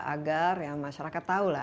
agar masyarakat tahu lah